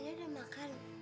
ayah udah makan